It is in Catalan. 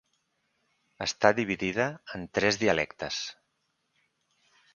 Està dividida en tres dialectes.